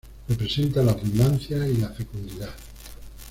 Representa la abundancia y la fecundidad.